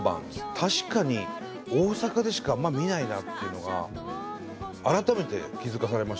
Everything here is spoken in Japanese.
確かに大阪でしかあんま見ないなっていうのが改めて気付かされましたね。